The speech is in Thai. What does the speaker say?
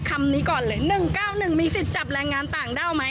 คำนี้ก่อนเลย๑๙๑มีสิทธิ์จับแรงงานต่างด้าวไหม